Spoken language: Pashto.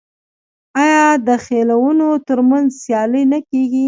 آیا د خیلونو ترمنځ سیالي نه کیږي؟